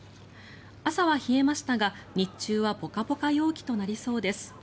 朝は冷えましたが、日中はポカポカ陽気となりそうです。